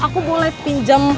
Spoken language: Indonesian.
aku boleh pinjam